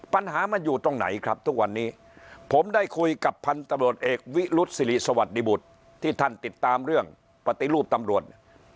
ปัญหามันอยู่ตรงไหนครับทุกวันนี้ผมได้คุยกับพันธุ์ตำรวจเอกวิรุษศิริสวัสดิบุตรที่ท่านติดตามเรื่องปฏิรูปตำรวจ